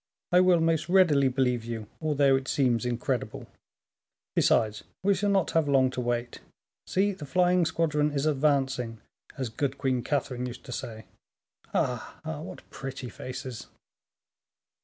"I will most readily believe you, although it seems incredible; besides we shall not have long to wait. See, the flying squadron is advancing, as good Queen Catherine used to say. Ah! ah! what pretty faces!"